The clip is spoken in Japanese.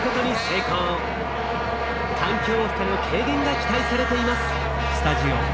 環境負荷の軽減が期待されています。